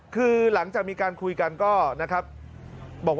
คือหลังจากมีการคุยกันก็นะครับบอก